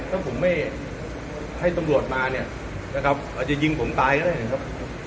ถ้าผมไม่ให้ตำรวจมาเนี่ยนะครับอาจจะยิงผมตายก็ได้นะครับ